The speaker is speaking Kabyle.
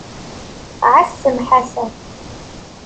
Ɛassem Ḥasan.